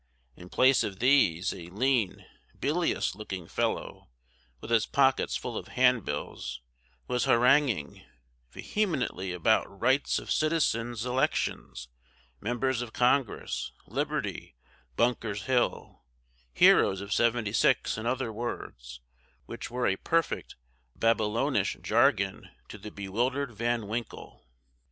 In place of these, a lean, bilious looking fellow, with his pockets full of handbills, was haranguing, vehemently about rights of citizens elections members of Congress liberty Bunker's hill heroes of seventy six and other words, which were a perfect Babylonish jargon to the bewildered Van Winkle.